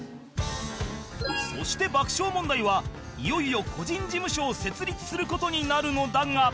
そして爆笑問題はいよいよ個人事務所を設立する事になるのだが